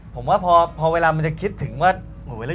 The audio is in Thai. ผมว่าพอเวลามันจะคิดถึงว่า